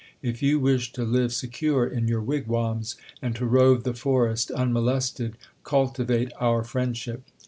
If you wish to live secure in your wigwams, and to rove the forest unmolested, cultivate our friendship.